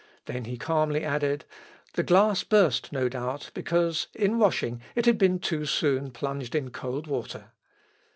Then he calmly added, "The glass burst, no doubt, because in washing it had been too soon plunged in cold water."